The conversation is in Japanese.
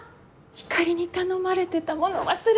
ひかりに頼まれてたもの忘れてた。